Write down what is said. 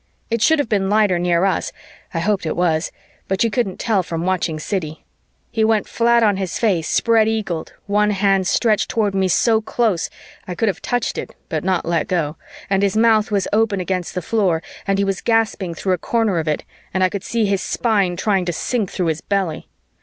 It should have been lighter near us I hoped it was, but you couldn't tell from watching Siddy; he went flat on his face, spread eagled, one hand stretched toward me so close, I could have touched it (but not let go!), and his mouth was open against the floor and he was gasping through a corner of it and I could see his spine trying to sink through his belly.